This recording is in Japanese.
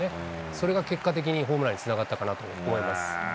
それが結果的にホームランにつながったかなと思います。